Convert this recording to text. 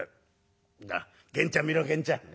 源ちゃん見ろ源ちゃん。